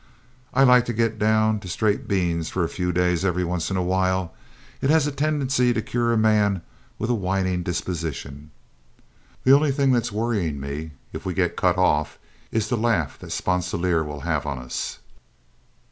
I like to get down to straight beans for a few days every once in a while; it has a tendency to cure a man with a whining disposition. The only thing that's worrying me, if we get cut off, is the laugh that Sponsilier will have on us."